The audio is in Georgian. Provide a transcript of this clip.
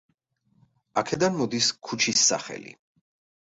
აქედან მოდის ქუჩის სახელი.